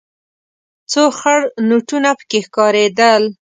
څو خړ نوټونه پکې ښکارېدل.